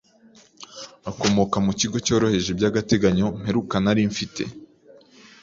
Akomoka mu kigo cyohereje by'agateganyo mperuka nari mfite?